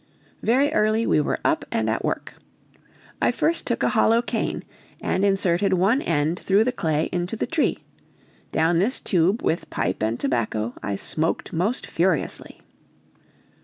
Very early were we up and at work. I first took a hollow cane, and inserted one end through the clay into the tree; down this tube with pipe and tobacco I smoked most furiously.